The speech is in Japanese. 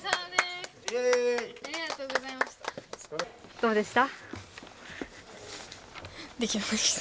どうでした？